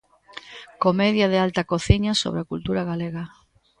Comedia de alta cociña sobre a cultura galega.